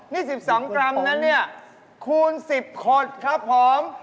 นี่๑๒กรัมนะเนี่ยคูณ๑๐ขดครับผม